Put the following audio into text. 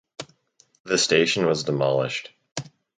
The station was demolished.